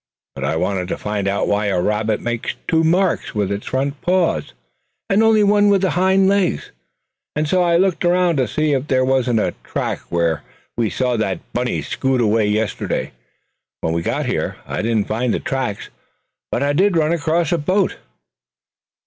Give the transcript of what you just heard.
But I wanted to find out why a rabbit makes two marks with its front paws and only one with the hind legs; and so I looked around to see if there wasn't a track where we saw that bunny scoot away yesterday when we got here. I didn't find the tracks, but I did run across a boat!"